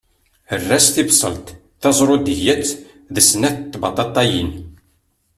Err-as tibṣelt, tazṛudiyat d snat tbaṭaṭayin.